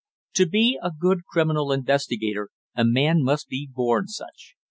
To be a good criminal investigator a man must be born such.